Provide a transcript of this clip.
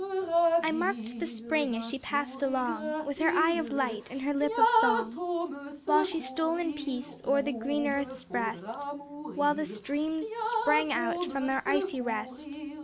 "I marked the Spring as she pass'd along, With her eye of light and her lip of song; While she stole in peace o'er the green earth's breast, While the streams sprang out from their icy rest.